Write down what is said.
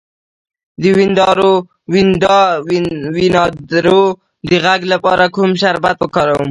د وینادرو د غږ لپاره کوم شربت وکاروم؟